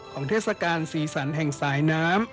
เทศกาลสีสันแห่งสายน้ำ